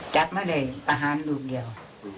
จับมาเลยประหารลูกเดียว